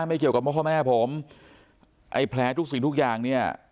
ไม่เกี่ยวกับพ่อแม่ผมไอ้แผลทุกสิ่งทุกอย่างเนี่ย